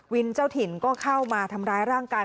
เจ้าถิ่นก็เข้ามาทำร้ายร่างกาย